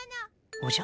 おじゃ？